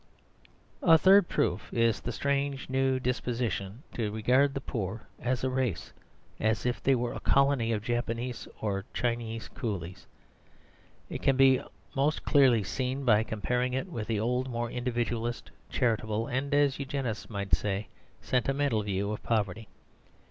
A third proof is the strange new disposition to regard the poor as a race; as if they were a colony of Japs or Chinese coolies. It can be most clearly seen by comparing it with the old, more individual, charitable, and (as the Eugenists might say) sentimental view of poverty.